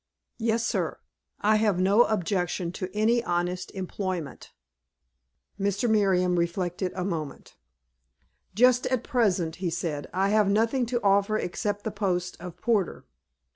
"Yes, sir. I have no objection to any honest employment." Mr. Merriam reflected a moment. "Just at present," he said, "I have nothing to offer except the post of porter.